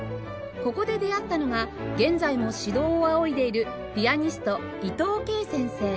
ここで出会ったのが現在も指導を仰いでいるピアニスト